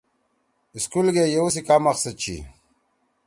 سکول گے یؤ سی کا مقصد چھی؟